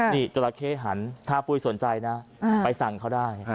นี่จราเข้หันถ้าปุ้ยสนใจนะไปสั่งเขาได้